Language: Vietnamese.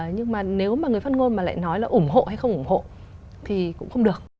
nhưng mà nếu mà người phát ngôn mà lại nói là ủng hộ hay không ủng hộ thì cũng không được